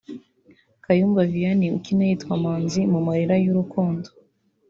Kayumba Vianny ( ukina yitwa Manzi mu Marira y’urukundo)